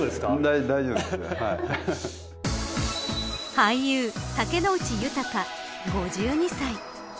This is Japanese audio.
俳優、竹野内豊５２歳。